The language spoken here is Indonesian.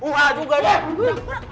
wah juga deh